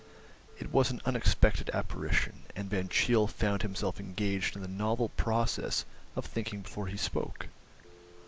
It was an unexpected apparition, and Van Cheele found himself engaged in the novel process of thinking before he spoke.